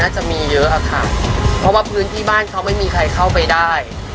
จะมีเยอะอะค่ะเพราะว่าพื้นที่บ้านเขาไม่มีใครเข้าไปได้